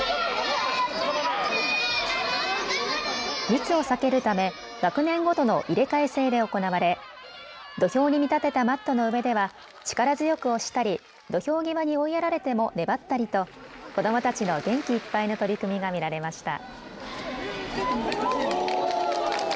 密を避けるため学年ごとの入れ替え制で行われ土俵に見立てたマットの上では力強く押したり土俵際に追いやられても粘ったりと子どもたちの元気いっぱいの取組が見られました。